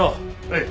はい。